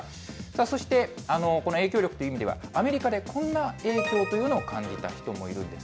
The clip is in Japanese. そしてこの影響力という意味では、アメリカでこんな影響というのを感じた人もいるんです。